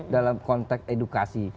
dalam konteks edukasi